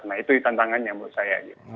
nah itu tantangannya menurut saya